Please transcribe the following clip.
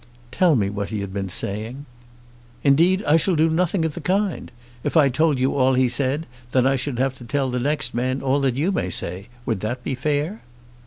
"Tell me what he had been saying." "Indeed I shall do nothing of the kind. If I told you all he said, then I should have to tell the next man all that you may say. Would that be fair?"